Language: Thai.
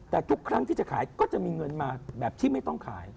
แต่ทุกครั้งที่จะขายก็จะมีเงินมาแบบที่ไม่ต้องขาย